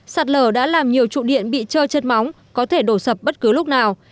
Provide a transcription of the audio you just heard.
sạt lở đã làm nhiều trụ điện bị trơ chất móng có thể đổ sập bất cứ lúc nào